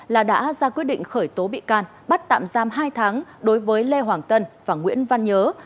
là đã ra quyết định khởi tố bị can bắt tạm giam hai tháng đối với lê hoàng tân và nguyễn văn nhớ